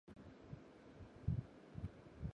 后死于狱中。